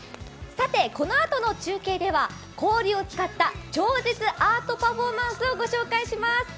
さて、このあとの中継では氷を使った超絶アートパフォーマンスを御紹介します。